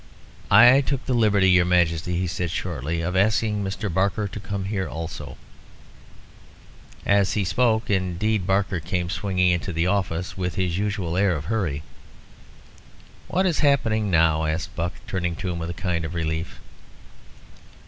"I took the liberty, your Majesty," he said shortly, "of asking Mr. Barker to come here also." As he spoke, indeed, Barker came swinging into the office, with his usual air of hurry. "What is happening now?" asked Buck, turning to him with a kind of relief.